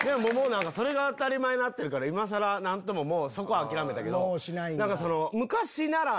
それが当たり前になってるから今更何ともそこは諦めたけど。